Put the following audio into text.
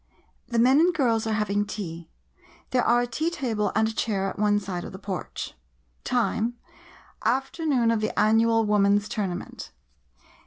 The men and girls are having tea. There are a tea table and a chair at one side of the porch. Time — "Afternoon of the Annual Woman's Tournament.